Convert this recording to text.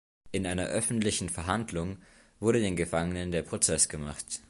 In einer öffentlichen Verhandlung wurde den Gefangenen der Prozess gemacht.